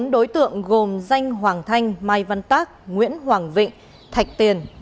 bốn đối tượng gồm danh hoàng thanh mai văn tác nguyễn hoàng vịnh thạch